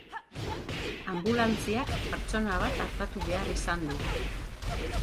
Anbulantziak pertsona bat artatu behar izan du.